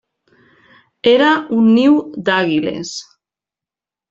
Era un niu d'àguiles.